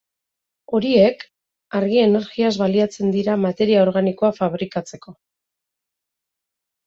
Horiek argi-energiaz baliatzen dira materia organikoa fabrikatzeko.